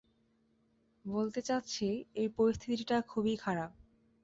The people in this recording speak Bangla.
বলতে চাচ্ছি এই পরিস্থিতিটা খুবই খারাপ।